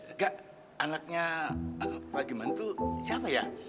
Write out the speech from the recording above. enggak anaknya pak jiman itu siapa ya